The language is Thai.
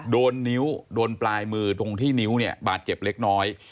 โดนนิ้วโดนปลายมือตรงที่นิ้วเนี่ยบาดเจ็บเล็กน้อย